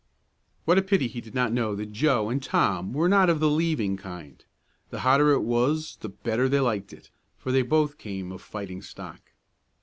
What a pity he did not know that Joe and Tom were not of the "leaving" kind. The hotter it was the better they liked it, for they both came of fighting stock.